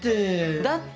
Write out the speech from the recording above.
「だって」